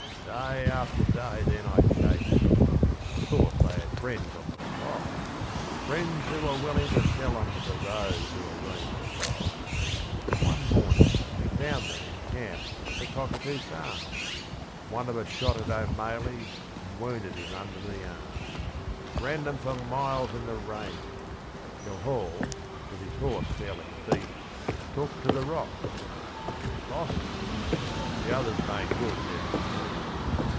Day after day then I chased them 'course they had friends on the sly, Friends who were willing to sell them to those who were willing to buy. Early one morning we found them in camp at the Cockatoo Farm One of us shot at O'Maley and wounded him under the arm: Ran them for miles in the ranges, till Hall, with his horse fairly beat, Took to the rocks and we lost him the others made good their retreat.